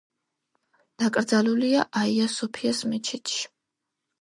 დაკრძალულია აია-სოფიას მეჩეთში.